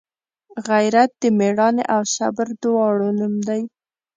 غیرت د میړانې او صبر دواړو نوم دی